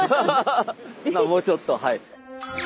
まあもうちょっと。